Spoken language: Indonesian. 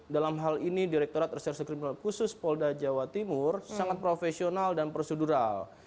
dalam hal ini direkturat reserse kriminal khusus polda jawa timur sangat profesional dan prosedural